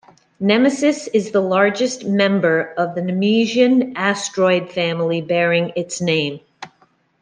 Nemesis is the largest member of the Nemesian asteroid family bearing its name.